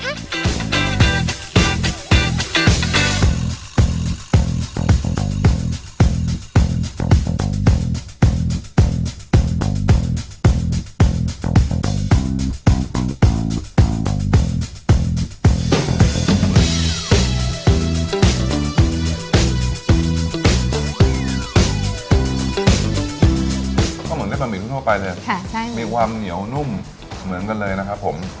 ข้าวหมุนด้วยบะหมี่ทุกท่อไปเลยค่ะใช่มีความเหนียวนุ่มเหมือนกันเลยนะครับผม